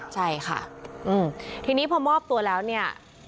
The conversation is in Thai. ใช่ค่ะทีนี้พอมอบตัวแล้วเนี่ย